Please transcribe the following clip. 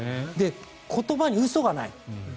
言葉に嘘がない。